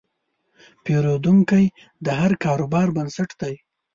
پیرودونکی د هر کاروبار بنسټ دی.